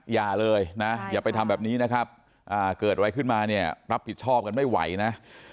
อย่าเลยนะอย่าไปทำแบบนี้นะครับเกิดอะไรขึ้นมาเนี่ยรับผิดชอบกันไม่ไหวนะ